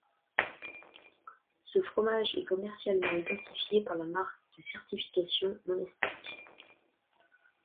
Ce fromage est commercialement identifié par la marque de certification Monastic.